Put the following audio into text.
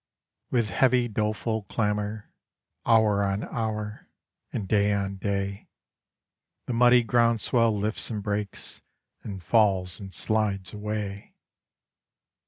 _ With heavy doleful clamour, hour on hour, and day on day, The muddy groundswell lifts and breaks and falls and slides away.